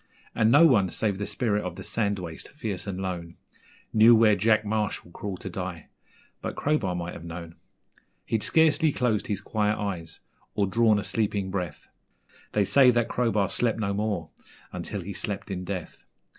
And no one, save the spirit of the sand waste, fierce and lone, Knew where Jack Marshall crawled to die but Crowbar might have known. He'd scarcely closed his quiet eyes or drawn a sleeping breath They say that Crowbar slept no more until he slept in death.